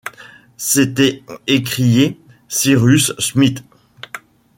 s’était écrié Cyrus Smith.